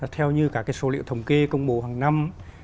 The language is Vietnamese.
theo như các số liệu thống kê công bố hàng năm